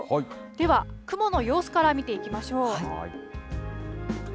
では、雲の様子から見ていきましょう。